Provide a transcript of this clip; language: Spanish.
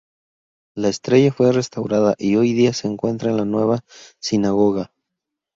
La estrella fue restaurada y hoy día se encuentra en la nueva sinagoga.